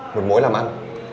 một mối làm ăn